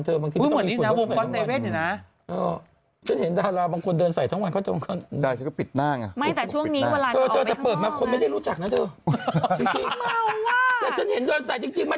เธอบางทีไม่ต้องมีฝุ่นด้านข้างก่อนนะครับ